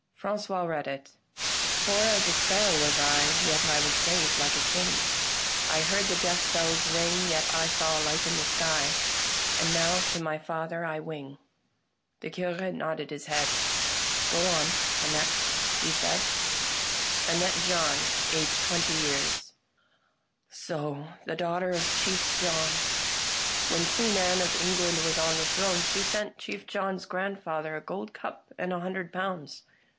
Frangois read it :" Poor as a sparrow was I, Yet I was saved like a king ; I heard the death bells ring, Yet I saw a light in the sky : And now to my Father I wing." The Cure nodded his head. " Go on ; the next," he said. A WORKER IN STONE 139 Annette John, aged twenty years "" So. The daughter of Chief John. When Queen Anne of England was on the throne she sent Chief John's grandfather a gold cup and a hundred pounds.